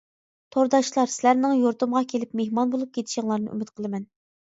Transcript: تورداشلار سىلەرنىڭ يۇرتۇمغا كېلىپ مېھمان بولۇپ كېتىشىڭلارنى ئۈمىد قىلىمەن.